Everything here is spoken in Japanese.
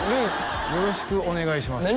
「よろしくお願いします！」